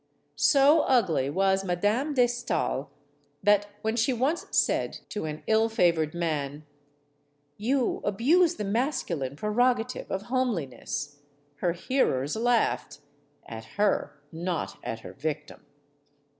So ugly was Madame de Stael that when she once said to an ill favored man: "You abuse the masculine prerogative of homeli ness," her hearers laughed at her, not at her victim.